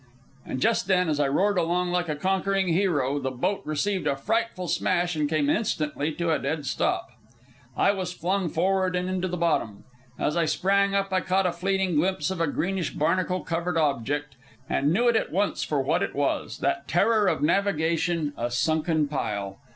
And just then, as I roared along like a conquering hero, the boat received a frightful smash and came instantly to a dead stop. I was flung forward and into the bottom. As I sprang up I caught a fleeting glimpse of a greenish, barnacle covered object, and knew it at once for what it was, that terror of navigation, a sunken pile.